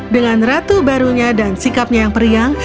dengan ratu barunya dan sikapnya yang periang